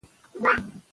ایا خلک دا مني؟